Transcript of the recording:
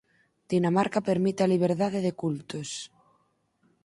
Dinamarca permite a liberdade de cultos.